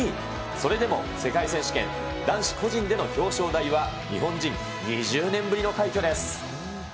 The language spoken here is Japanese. それでも世界選手権、男子個人での表彰台は、日本人２０年ぶりの快挙です。